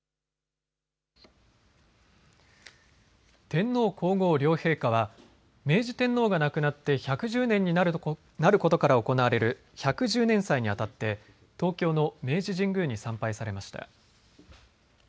天皇皇后両陛下は明治天皇が亡くなって１１０年になることから行われる百十年祭にあたって東京の明治神宮に参拝されました。